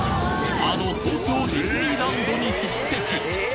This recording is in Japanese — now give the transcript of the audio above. あの東京ディズニーランドに匹敵！